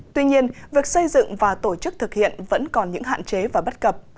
tuy nhiên việc xây dựng và tổ chức thực hiện vẫn còn những hạn chế và bất cập